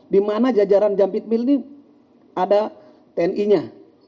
di mana jajaran jampit mill ini ada tni nya